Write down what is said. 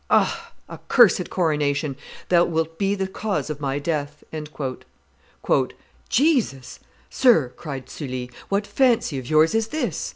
Ah! accursed coronation! Thou wilt be the cause of my death." "Jesus! Sir," cried Sully, "what fancy of yours is this?